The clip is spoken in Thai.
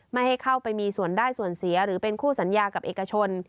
ไม่ให้เข้าไปมีส่วนได้ส่วนเสียหรือเป็นคู่สัญญากับเอกชน